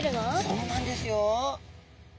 そうなんですよ！